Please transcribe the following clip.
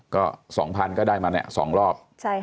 ก็๒๐๐๐ก็ได้มาเนี่ย๒รอบ